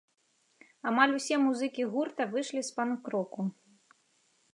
Амаль усе музыкі гурта выйшлі з панк-року.